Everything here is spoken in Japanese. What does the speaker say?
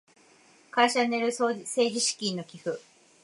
会社による政治資金の寄付